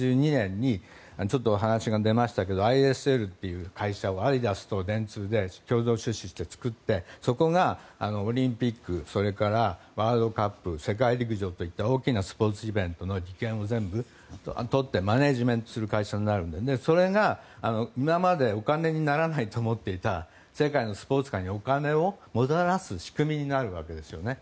ちょっと話が出ましたけどもＩＳＬという会社をアディダスと電通で共同出資して作ってそこがオリンピックそれからワールドカップ世界陸上といった大きなスポーツイベントの利権を全部取ってマネジメントする会社になるのでそれが今までお金にならないと思っていた世界のスポーツ界にお金をもたらす仕組みになるんですね。